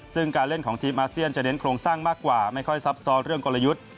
ซึ่งการเล่นของทีมอาเซียนจะเน้นโครงสร้างมากกว่าไม่ค่อยซับซ้อนเรื่องกลยุทธ์